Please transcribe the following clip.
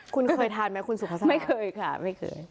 คุณเคยทานไหมคุณสุภาษาไม่เคยค่ะไม่เคย